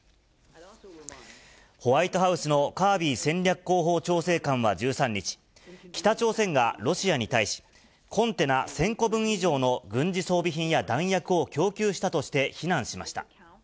ホワイトハウスのカービー戦略広報調整官は１３日、北朝鮮がロシアに対し、コンテナ１０００個分以上の軍事装備品や弾薬を供給したとして非難しました。